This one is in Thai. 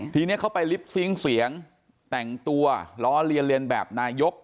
ทีนี้เขาไปลิปซิงค์เสียงแต่งตัวล้อเลียนเรียนแบบนายก